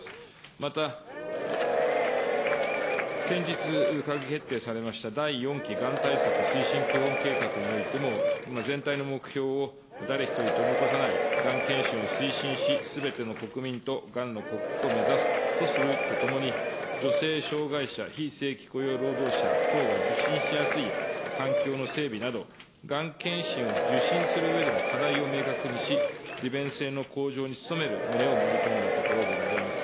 また、先日、閣議決定されました第４期がん対策推進基本計画においても、全体の目標を誰一人取り残さないがん検診を推進し、すべての国民とがんの克服を目指すとするとともに、女性障害者、非正規雇用労働者等が受診しやすい環境の整備など、がん検診を受診するうえでの課題を明確にし、利便性の向上に努める旨を盛り込んだところでございます。